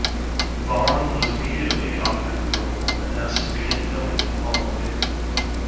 Vaughn was immediately offered the role, and asked to begin filming the following day.